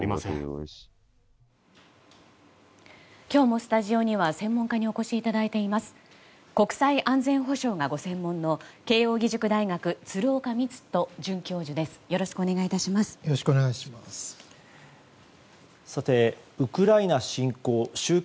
今日もスタジオには専門家にお越しいただいています。